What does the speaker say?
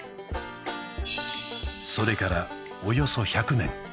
それからおよそ１００年